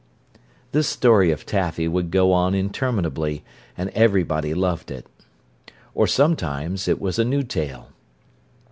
This story of Taffy would go on interminably, and everybody loved it. Or sometimes it was a new tale.